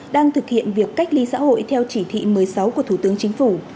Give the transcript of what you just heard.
đang thực hiện việc cách ly xã hội theo chỉ thị một mươi sáu của thủ tướng chính phủ